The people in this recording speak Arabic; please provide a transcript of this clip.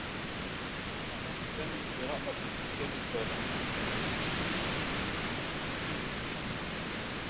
أراد سامي قراءة تلك الرّسالة.